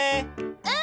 うん！